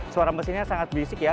suara mesinnya sangat bisik ya